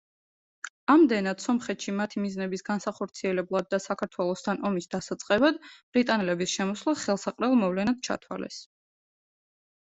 ამდენად სომხეთში მათი მიზნების განსახორციელებლად და საქართველოსთან ომის დასაწყებად ბრიტანელების შემოსვლა ხელსაყრელად მოვლენად ჩათვალეს.